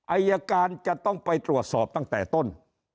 อายการจะต้องไปตรวจสอบตั้งแต่ต้น